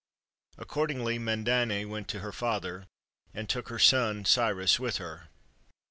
Accordingly Mandane went to her father, and took her son Cyrus with her.